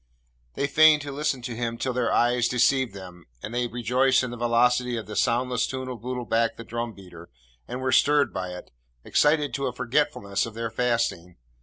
They feigned to listen to him till their ears deceived them, and they rejoiced in the velocity of the soundless tune of Bootlbac the drum beater, and were stirred by it, excited to a forgetfulness of their fasting.